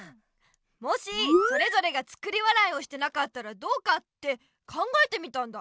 「もしそれぞれが『作り笑い』をしてなかったらどうか？」って考えてみたんだ。